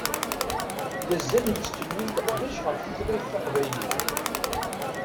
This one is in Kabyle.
Mazal nettkemmil leqdic ɣef tutlayt taqbaylit.